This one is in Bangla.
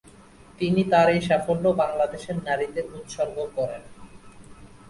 তিনি তার এই সাফল্য বাংলাদেশের নারীদের উদ্দেশ্যে উৎসর্গ করেন।